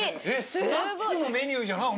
スナックのメニューじゃない。